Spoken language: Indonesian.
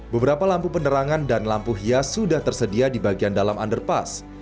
beberapa lampu penerangan dan lampu hias sudah tersedia di bagian dalam underpass